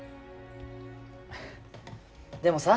でもさ。